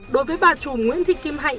đối với bà chùm nguyễn thị kim hạnh